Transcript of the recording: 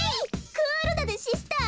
クールだぜシスター！